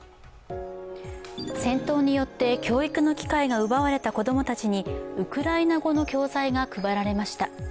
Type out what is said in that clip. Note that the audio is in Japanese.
戦闘によって教育の機会が奪われた子供たちにウクライナ語の教材が配られました。